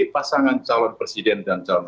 pasangan calon presiden dan calon